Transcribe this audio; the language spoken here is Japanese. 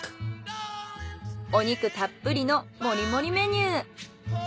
お肉たっぷりのもりもりメニュー。